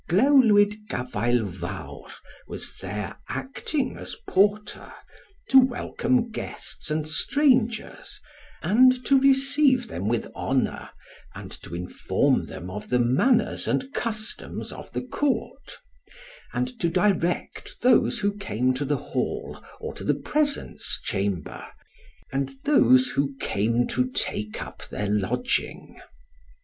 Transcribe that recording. Glewlwyd Gavaelvawr was there, acting as porter, to welcome guests and strangers, and to receive them with honour, and to inform them of the manners and customs of the Court; and to direct those who came to the Hall or to the presence chamber, and those who came to take up their lodging.